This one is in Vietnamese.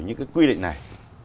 những cái quy định này